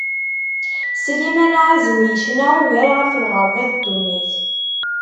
Sliman Ɛazem yecna ugar ɣef lɣerba d ddunnit.